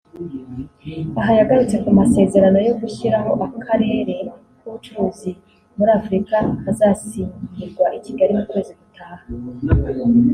Aha yagarutse ku masezerano yo gushyiraho akarere k’ubucuruzi muri Afurika azasinyirwa i Kigali mu kwezi gutaha